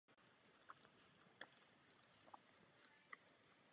Je to jediné mezinárodní letiště v Nepálu.